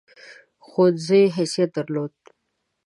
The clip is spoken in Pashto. ښوونځي حیثیت درلود.